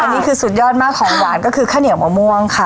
อันนี้คือสุดยอดมากของหวานก็คือข้าวเหนียวมะม่วงค่ะ